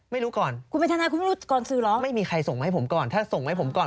ไม่รู้ก่อนคุณเป็นทนายคุณไม่รู้ก่อนสื่อเหรอไม่มีใครส่งมาให้ผมก่อนถ้าส่งให้ผมก่อน